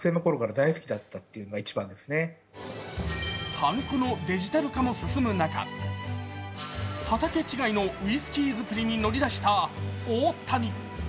はんこのデジタル化も進む中、畑違いのウイスキー造りに乗り出した大谷。